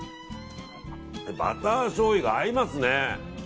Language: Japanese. バターしょうゆが合いますね。